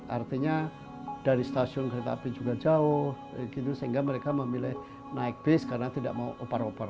artinya dari stasiun kereta api juga jauh sehingga mereka memilih naik bis karena tidak mau opor opor